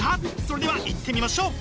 それではいってみましょう！